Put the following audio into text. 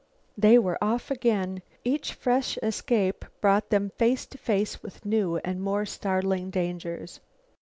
They were off again. Each fresh escape brought them face to face with new and more startling dangers.